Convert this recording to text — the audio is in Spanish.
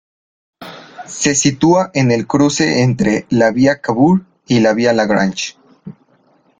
Se sitúa en el cruce entre la vía Cavour y la vía Lagrange.